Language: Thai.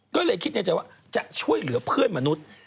ก็เลยคิดในใจว่าจะช่วยเหลือเพื่อนมนุษย์